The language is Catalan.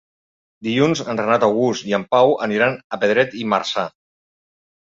Dilluns en Renat August i en Pau aniran a Pedret i Marzà.